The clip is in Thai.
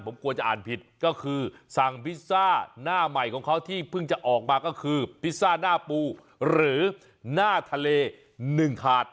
ผมกลัวจะอ่านผิดก็คือสั่งพิซซ่าหน้าใหม่ของเขาที่เพิ่งจะออกมาก็คือพิซซ่าหน้าปูหรือหน้าทะเล๑ถาด